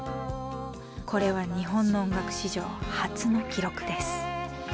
これは日本の音楽史上初の記録です。